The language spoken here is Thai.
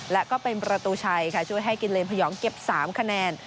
และก็เป็นประตูชัยค่ะช่วยให้กินเลนพยองเก็บ๓คะแนน